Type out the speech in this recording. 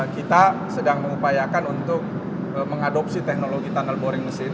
kita sedang mengupayakan untuk mengadopsi teknologi tunnel boring mesin